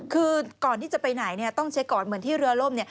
คือก่อนที่จะไปไหนต้องเช็คก่อนเหมือนที่เรือล่ม